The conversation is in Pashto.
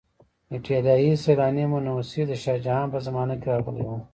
ایټالیایی سیلانی منوسي د شاه جهان په زمانه کې راغلی و.